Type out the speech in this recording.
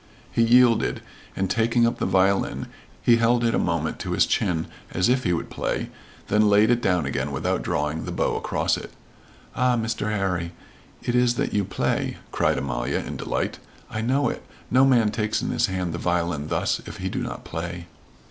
He yielded, and, taking up the violin, he held it a moment to his chin as if he would play, then laid it down again without drawing the bow across it. "Ah, Mr. 'Arry, it is that you play," cried Amalia, in delight. "I know it. No man takes in his hand the violin thus, if he do not play."